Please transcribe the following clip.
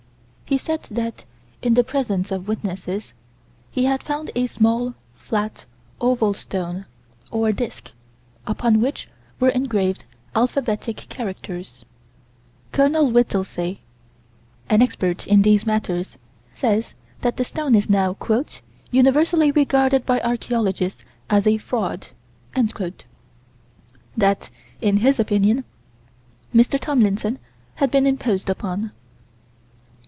He said that, in the presence of witnesses, he had found a small, flat, oval stone or disk upon which were engraved alphabetic characters. Col. Whittelsey, an expert in these matters, says that the stone is now "universally regarded by archaeologists as a fraud": that, in his opinion, Mr. Tomlinson had been imposed upon.